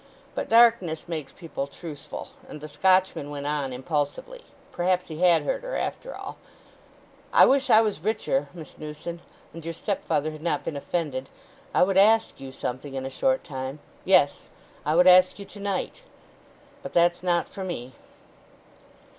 But darkness makes people truthful, and the Scotchman went on impulsively—perhaps he had heard her after all: "I wish I was richer, Miss Newson; and your stepfather had not been offended, I would ask you something in a short time—yes, I would ask you to night. But that's not for me!"